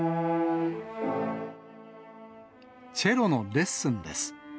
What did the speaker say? チェロのレッスンです。